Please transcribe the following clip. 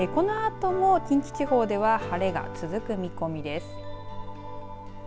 このあとも近畿地方では晴れが続く見込みです。